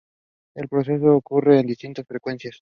El proceso ocurre a distintas frecuencias.